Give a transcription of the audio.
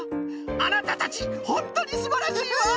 あなたたちホントにすばらしいわ！